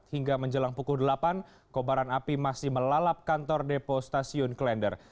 hingga menjelang pukul delapan kobaran api masih melalap kantor depo stasiun klender